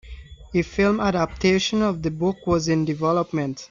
A film adaptation of the book was in development.